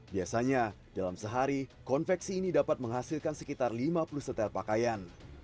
biasanya dalam sehari konveksi ini dapat menghasilkan sekitar lima puluh setel pakaian